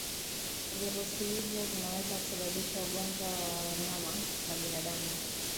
Virusi ivyo vinaweza kusababisha ugonjwa kwa wanyama na binadamu